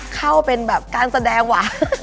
เข้าเป็นแบบการแสดงว่ะ